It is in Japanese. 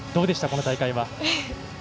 この大会は。